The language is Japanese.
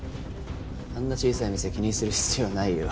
あんな小さい店気にする必要ないよ。